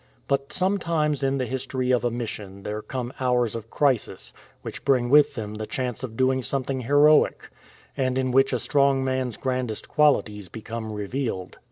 But sometimes in the history of a mission there come hours of crisis which bring with them the chance of doing something heroic, and in which a strong man"*s grandest qualities become revealed.